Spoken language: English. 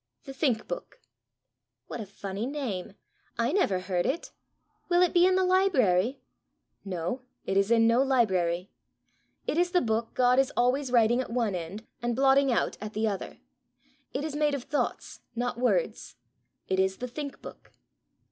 "The Think book." "What a funny name! I never heard it! Will it be in the library?" "No; it is in no library. It is the book God is always writing at one end, and blotting out at the other. It is made of thoughts, not words. It is the Think book."